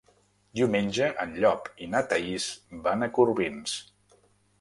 Diumenge en Llop i na Thaís van a Corbins.